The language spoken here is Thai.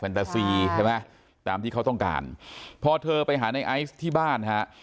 ใช่ไหมตามที่เขาต้องการพอเธอไปหาในไอซ์ที่บ้านฮะ